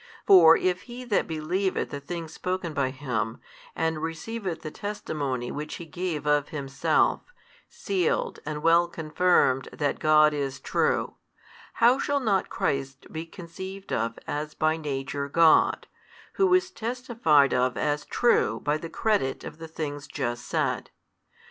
For if he that believeth the things spoken by Him, and receiveth the testimony which He gave of Himself, sealed and well confirmed that God is true; how shall not Christ be conceived of as by Nature God, Who is testified of as true by the credit of the things just said?